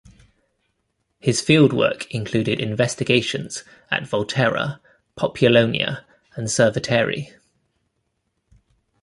His fieldwork included investigations at Volterra, Populonia, and Cerveteri.